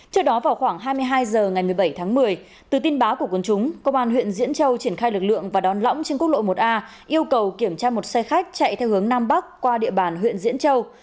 trước đó vào khoảng hai mươi hai h ngày một mươi bảy tháng một mươi từ tin báo của quân chúng công an huyện diễn châu triển khai lực lượng và đón lõng trên quốc lộ một a yêu cầu kiểm tra một xe khách chạy theo hướng nam bắc qua địa bàn huyện diễn châu